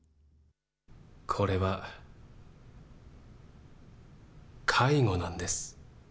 これは介護なんです。